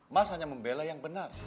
mas hanya membela yang benar